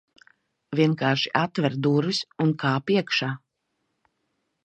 Vienkārši atver durvis, un kāp iekšā.